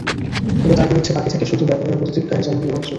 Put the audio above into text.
তবে তাঁর বিরুদ্ধে বাকি থাকে শুধু বেপরোয়া গতিতে গাড়ি চালানোর অভিযোগ।